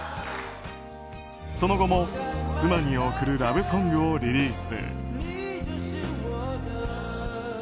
その後も妻に贈るラブソングをリリース。